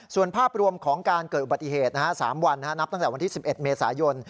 ส่วนภาพรวมของการเกิดอุบัติเหตุ๓วันนับตั้งแต่วันที่๑๑เมษายน